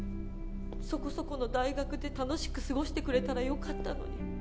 そこそこの大学で楽しくすごしてくれたらよかったのに